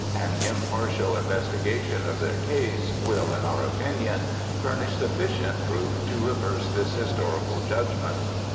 An impartial investigation of their case will, in our opinion, furnish sufficient proof to reverse this historical judgment.